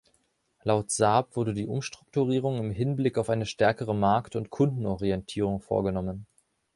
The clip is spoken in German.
Laut Saab wurde die Umstrukturierung im Hinblick auf eine stärkere Markt- und Kundenorientierung vorgenommen.